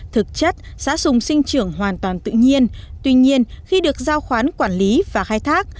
thực chất xã sùng sinh trưởng hoàn toàn tự nhiên tuy nhiên khi được giao khoán quản lý và khai thác